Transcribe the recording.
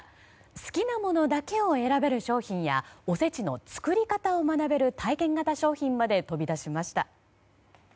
好きなものだけを選べる商品やおせちの作り方を学べる体験型商品まで飛び出しました。